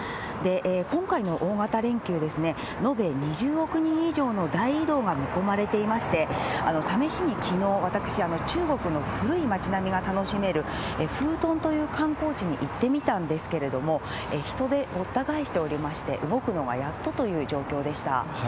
今回の大型連休、延べ２０億人以上の大移動が見込まれていまして、試しにきのう、私、中国の古い町並みが楽しめる、フートンという観光地に行ってみたんですけれども、人でごった返しておりまして、動くのがやっとという状況でした。